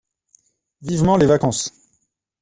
Vivement les vacances!